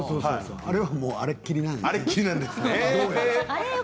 あれは、あれっきりなんだね。